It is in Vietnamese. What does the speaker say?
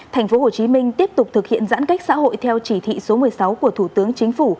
thành phố hồ chí minh tiếp tục thực hiện giãn cách xã hội theo chỉ thị số một mươi sáu của thủ tướng chính phủ